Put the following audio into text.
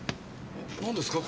何ですか？